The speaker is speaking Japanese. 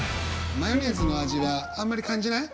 マヨネーズの味はあんまり感じない？